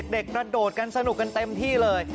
กระโดดกันสนุกกันเต็มที่เลย